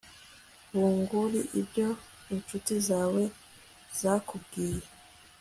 bunguri ibyo inshuti zawe zakubwiye